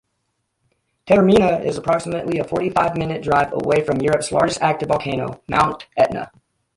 Taormina is approximately a forty-five-minute drive away from Europe's largest active volcano, Mount Etna.